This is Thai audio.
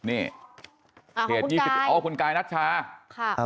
อ้าวของคุณกายอ๋อคุณกายนักชา